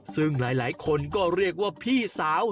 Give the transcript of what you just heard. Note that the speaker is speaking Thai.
ซึ่งหลายคนก็เรียกว่าพี่สาว